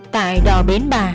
tại đò bến bà